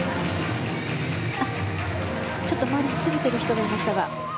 ちょっと回りすぎている人がいましたが。